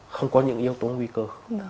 không có những yếu tố nguy cơ